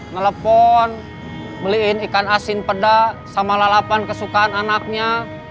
nelepon beliin ikan asin peda sama lalapan kesukaan anaknya